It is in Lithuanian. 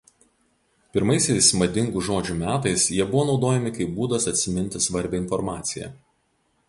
Pirmaisiais madingų žodžių metais jie buvo naudojami kaip būdas atsiminti svarbią informaciją.